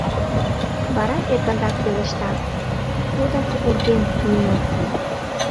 Вара эркынрак пелешта: — Тудак урген, Нина...